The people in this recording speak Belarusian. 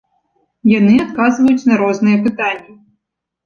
Яны адказваюць на розныя пытанні.